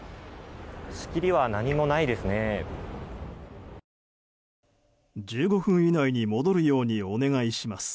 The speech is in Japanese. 仕切りは何もないですね。